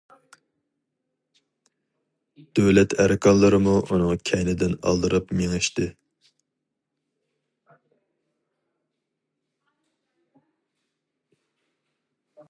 دۆلەت ئەركانلىرىمۇ ئۇنىڭ كەينىدىن ئالدىراپ مېڭىشتى.